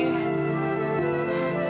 masuk gak ya